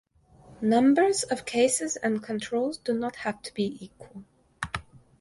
Numbers of cases and controls do not have to be equal.